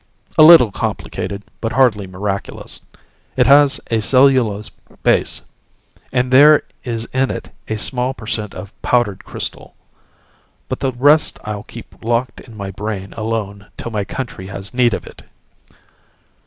"A little complicated, but hardly miraculous. It has a cellulose base, and there is in it a small per cent of powdered crystal but the rest I'll keep locked in my brain alone till my country has need of it."